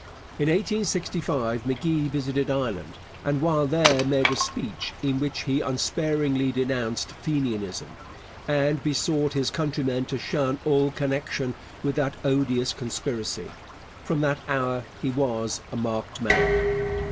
In 1865 M'Gee visited Ireland, and while there made a speech in which he unsparingly denounced Fenianism, and besought his countrymen to shun all connection with that odious conspiracy. From that hour he was a marked man.